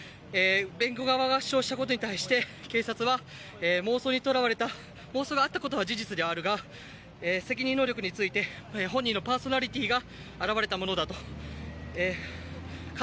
弁護側が主張したことに対して検察は妄想にとらわれた妄想があったことは事実であるが責任能力について本人のパーソナリティーが表れたものだと。